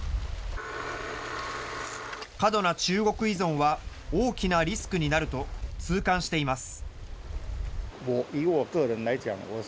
過度な中国依存は大きなリスクになると痛感しています。